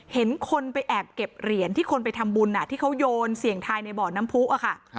เห็นคนไปแอบเก็บเหรียญที่คนไปทำบุญที่เขาโยนเสี่ยงทายในบ่อน้ำผู้ค่ะ